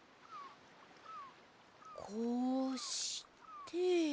こうして。